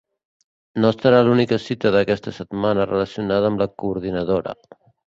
No serà l’única cita d’aquesta setmana relacionada amb la coordinadora.